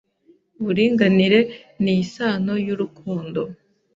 Uburinganire ni isano y'urukundo.